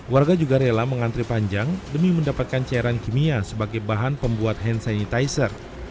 warga juga rela mengantri panjang demi mendapatkan cairan kimia sebagai bahan pembuat hand sanitizer